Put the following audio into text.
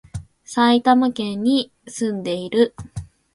埼玉県に、住んでいる